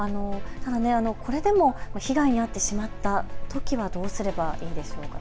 ただこれでも被害に遭ってしまったときはどうすればいいんでしょうか。